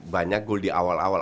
banyak goal di awal awal